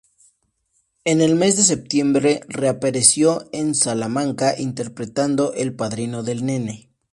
En el mes de septiembre reapareció en Salamanca interpretando "El Padrino del Nene".